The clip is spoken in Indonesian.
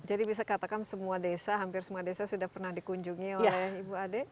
jadi bisa katakan semua desa hampir semua desa sudah pernah dikunjungi oleh ibu adik